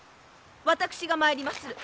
私が参りまする。